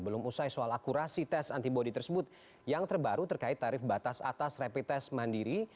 belum usai soal akurasi tes antibody tersebut yang terbaru terkait tarif batas atas rapid test mandiri